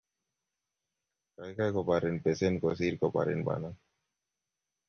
Kaikai koparin besen kosir koparin banan